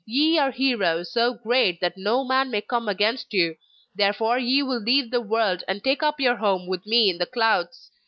Ye are heroes so great that no man may come against you. Therefore ye will leave the world and take up your home with me in the clouds.